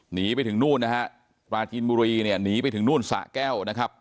หนีไปถึงนู่นนะฮะปราจีนบุรีเนี่ยหนีไปถึงนู่นสะแก้วนะครับ